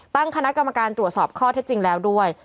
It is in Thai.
ตั้งคณะกรรมการตรวจสอบข้อเท็จจริงแล้วด้วย